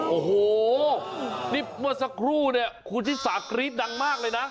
โอ้โหนี่เบาะสักครู่คุณศิษฐ์กรี๊บดังมากเลยนะ